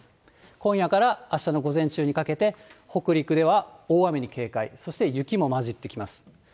今夜からあしたの午前中にかけて、北陸では大雨に警戒、そして雪も交じってきます。